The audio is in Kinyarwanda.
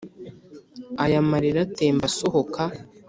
aya malira atemba asohoka